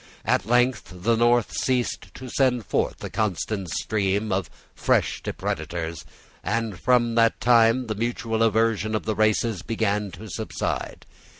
At length the North ceased to send forth a constant stream of fresh depredators; and from that time the mutual aversion of the races began to subside.